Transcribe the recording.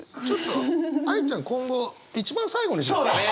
ちょっと愛ちゃん今後一番最後にしようか。